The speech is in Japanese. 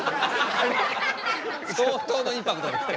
相当のインパクトですね。